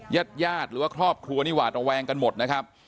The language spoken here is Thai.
ญาติญาติหรือว่าครอบครัวนี่หวาดระแวงกันหมดนะครับ